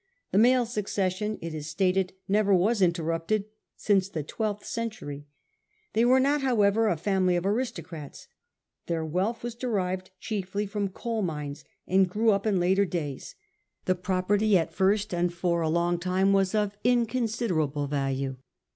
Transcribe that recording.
The male succession, it is stated, never was interrupted since the twelfth century. They were not, however, a family of aristocrats. Their wealth was derived chiefly from coal mines, and grew up in later days ; the property at first, and for a long time, was of inconsiderable value.